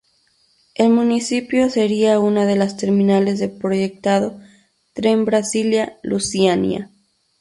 El municipio sería una de las terminales del proyectado Tren Brasilia-Luziânia.